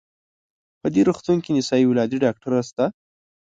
په دې روغتون کې نسایي ولادي ډاکټره شته؟